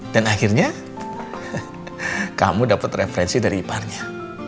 dan akhirnya kamu dapat referensi dari iparnya